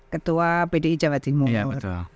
ketua pdi jawa timur